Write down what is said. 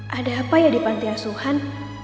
pasti biru tak bisa kita tempatkan